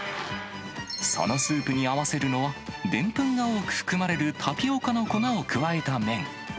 そのスープに合わせるのは、でんぷんが多く含まれるタピオカの粉を加えた麺。